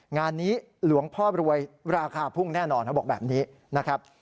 งานนี้หลวงพ่อรวยราคาพุ่งแน่นอนเขาบอกแบบนี้นะครับ